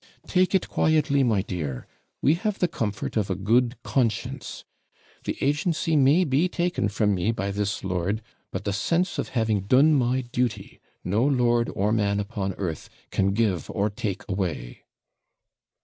'Take it quietly, my dear; we have the comfort of a good conscience. The agency may be taken from me by this lord; but the sense of having done my duty, no lord or man upon earth can give or take away.'